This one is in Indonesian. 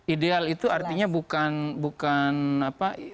ideal itu artinya bukan apa